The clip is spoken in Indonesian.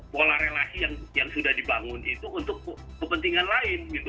pola relasi yang sudah dibangun itu untuk kepentingan lain gitu